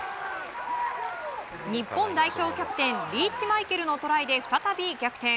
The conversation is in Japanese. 日本代表キャプテンリーチマイケルのトライで再び逆転。